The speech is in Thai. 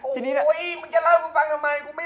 ฮู้ยมึงกินเล่ากูฟังทำไม